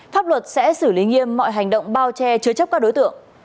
pháp luật sẽ xử lý nghiêm mọi hành động bao che chứa chấp các đối tượng